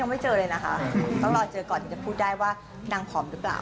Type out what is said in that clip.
ไม่ยอมให้เจอเลยนะคะต้องรอเจอก่อนถึงจะพูดได้ว่านางผอมรึเปล่า